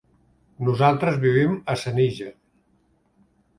Nosaltres vivim a Senija.